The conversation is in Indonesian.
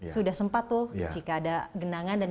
sudah sempat tuh jika ada genangan dan